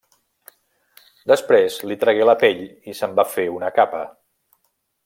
Després li tragué la pell i se'n va fer una capa.